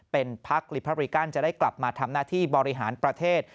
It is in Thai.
เป็นพักลิพริกันจะได้กลับมาทำหน้าที่บริหารประเทศ